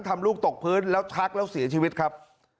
ลูกตกพื้นแล้วชักแล้วเสียชีวิตครับ